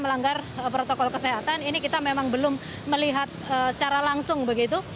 melanggar protokol kesehatan ini kita memang belum melihat secara langsung begitu